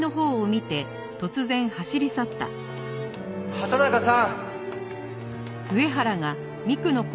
畑中さん！